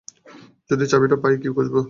যদি চাবিটা পাই, কী খুঁজব?